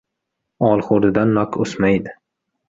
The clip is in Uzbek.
• Olxo‘ridan nok o‘smaydi.